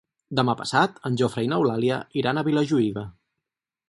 Demà passat en Jofre i n'Eulàlia iran a Vilajuïga.